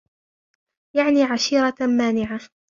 يَعْنِي عَشِيرَةً مَانِعَةً